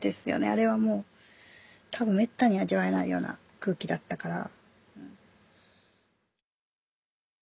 あれはもう多分めったに味わえないような空気だったから。